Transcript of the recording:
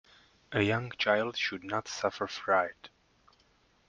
A young child should not suffer fright.